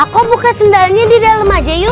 aku buka sendalanya di dalem aja yub